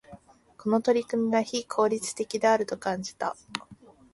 この取り組みは、非効率的であると感じた。